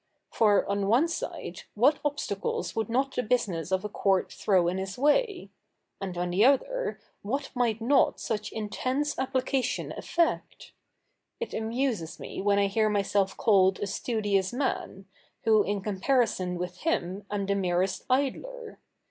For, on one side, what obstacles would not the business of a court throw in his way? and on the other, what might not such intense application effect? It amuses me when I hear myself called a studious man, who in comparison with him am the merest idler.